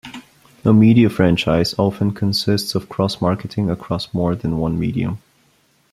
A media franchise often consists of cross-marketing across more than one medium.